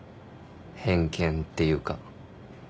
偏見っていうか。